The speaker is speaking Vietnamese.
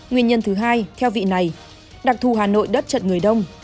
nguyên nhân thứ hai theo vị này đặc thù hà nội đất trận người đông